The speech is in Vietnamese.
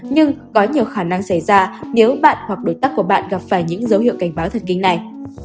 nhưng có nhiều khả năng xảy ra nếu bạn hoặc đối tác của bạn gặp phải những dấu hiệu cảnh báo thật kinh này